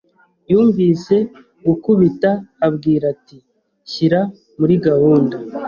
Yumvise gukubita, abwira ati: "Shyira murigahunda